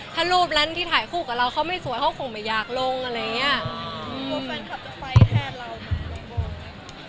ถ้ารูปแล้วที่ถ่ายคู่กับเราเขาไม่สวยเขาคงไม่อยากลงอะไรอย่างนี้